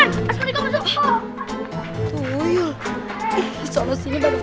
buyu buyu banget terburu buru